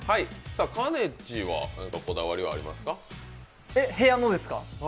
かねちーはなにかこだわりはありますか？